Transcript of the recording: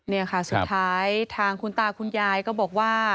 นี่ค่ะสุดท้ายทางคุณตาคุณยายก็บอกว่า